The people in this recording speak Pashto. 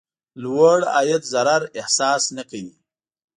لوړ عاید ضرر احساس نه کوي.